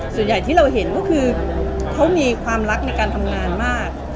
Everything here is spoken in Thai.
ส่วนใหญ่ที่เราเห็นก็คือเขามีความรักในการทำงานมาก